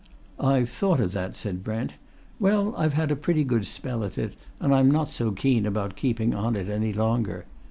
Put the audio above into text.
"I've thought of that," said Brent. "Well, I've had a pretty good spell at it, and I'm not so keen about keeping on it any longer.